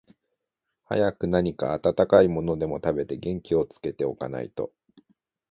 早く何か暖かいものでも食べて、元気をつけて置かないと、